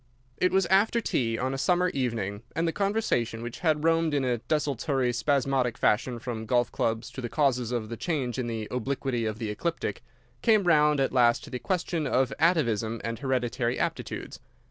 It was after tea on a summer evening, and the conversation, which had roamed in a desultory, spasmodic fashion from golf clubs to the causes of the change in the obliquity of the ecliptic, came round at last to the question of atavism and hereditary aptitudes.